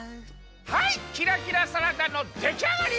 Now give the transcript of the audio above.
はいキラキラサラダのできあがり！